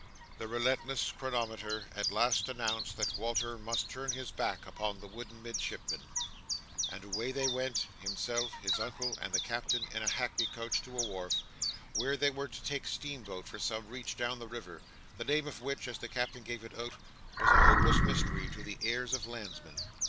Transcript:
The relentless chronometer at last announced that Walter must turn his back upon the wooden Midshipman: and away they went, himself, his Uncle, and the Captain, in a hackney coach to a wharf, where they were to take steam boat for some Reach down the river, the name of which, as the Captain gave it out, was a hopeless mystery to the ears of landsmen.